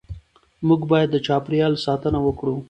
موږ باید د چاپېریال ساتنه وکړو